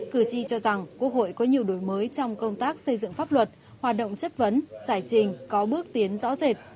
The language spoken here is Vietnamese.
cử tri cho rằng quốc hội có nhiều đổi mới trong công tác xây dựng pháp luật hoạt động chất vấn giải trình có bước tiến rõ rệt